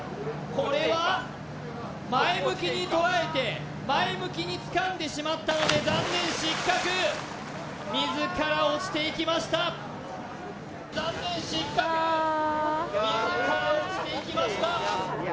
これは前向きにとらえて前向きにつかんでしまったので残念失格自ら落ちていきました残念失格あ自ら落ちていきましたいや